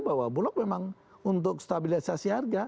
bahwa bulog memang untuk stabilisasi harga